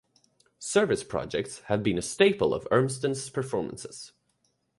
Service projects have become a staple of Urmston's performances.